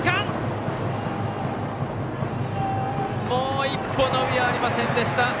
もう一歩伸びありませんでした。